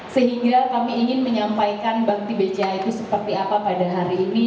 sehingga kami ingin menyampaikan bakti bca itu seperti apa pada hari ini